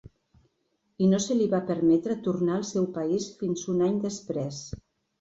I no se li va permetre tornar al seu país fins un any després.